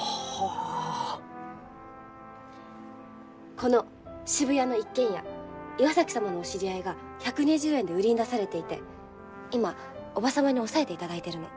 この渋谷の一軒家岩崎様のお知り合いが１２０円で売りに出されていて今叔母様に押さえていただいてるの。